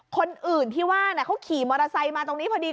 คนอื่นที่ว่าเขาขี่มอเตอร์ไซค์มาตรงนี้พอดี